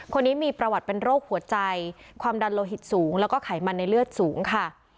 คนนี้มีประวัติเป็นโรคหัวใจความดันโลหิตสูงแล้วก็ไขมันในเลือดสูงค่ะ